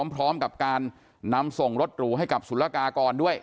พร้อมกับการนำส่งรถหรูให้กับศุลกากรด้วย